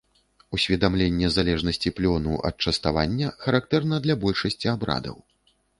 Усведамленне залежнасці плёну ад частавання характэрна для большасці абрадаў.